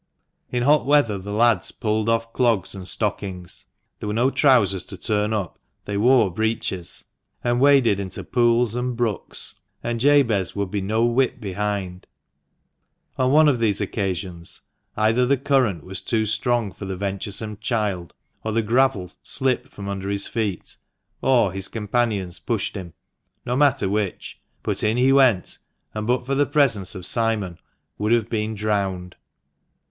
In hot weather the lads pulled off clogs and stockings (there were no trousers to turn up — they wore breeches), and waded into pools and brooks, and Jabez would be no whit behind. On one of these occasions, either the current was too strong for the venturesome child, or the gravel slipped from under his feet, or his companions pushed him — no matter which, — but in he went, and, but for the presence of Simon, would have been drowned.